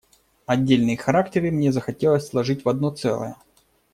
Отдельные характеры мне захотелось сложить в одно целое.